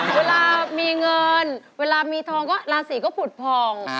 เวลามีเงินเวลามีทองก็ลาซี่ก็ผูทฟอง